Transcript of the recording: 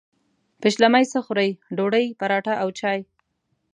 پیشلمۍ څه خورئ؟ ډوډۍ، پراټه او چاي